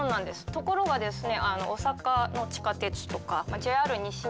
ところがですね